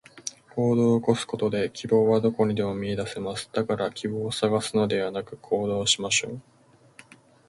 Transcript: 行動を起こすことで、希望はどこにでも見いだせます。だから希望を探すのではなく、行動しましょう。